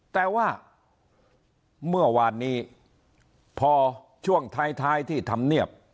แต่ว่าเมื่อวานนี้พอช่วงท้ายที่ธรรมเนียบ